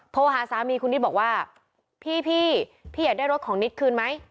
โทรหาสามีคุณนิดบอกว่าพี่พี่อยากได้รถของนิดคืนไหม